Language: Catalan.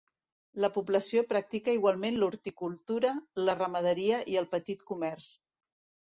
La població practica igualment l'horticultura, la ramaderia i el petit comerç.